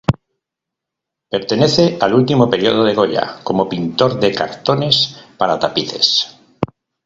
Pertenece al último periodo de Goya como pintor de cartones para tapices.